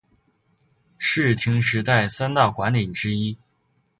室町时代三大管领之一。